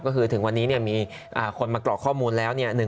ก็คือถึงวันนี้มีคนมากรอกข้อมูลแล้วเนี่ย